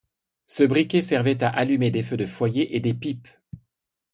Ce briquet servait à allumer des feux de foyer et des pipes.